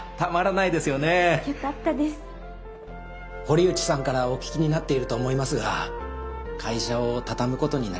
堀内さんからお聞きになっていると思いますが会社を畳むことになりまして。